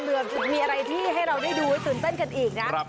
เหลือมีอะไรที่ให้เราได้ดูสนเต้นกันอีกนะ